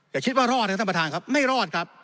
อย่าคิดว่ารอดนะท่านประธานครับไม่รอดครับ